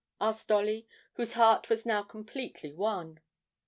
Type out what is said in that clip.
asked Dolly, whose heart was now completely won.